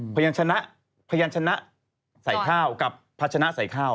พยานชนะใส่ข้าวกับภาชนะใส่ข้าว